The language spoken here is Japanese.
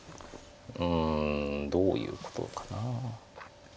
うんどういうことかな。